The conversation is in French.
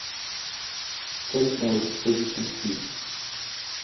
Telles sont les dispositions prises.